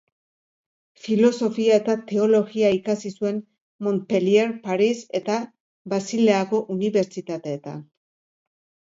Filosofia eta teologia ikasi zuen Montpellier, Paris eta Basileako unibertsitateetan.